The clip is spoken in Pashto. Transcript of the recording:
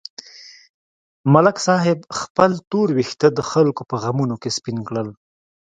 ملک صاحب خپل تور وېښته د خلکو په غمونو کې سپین کړل.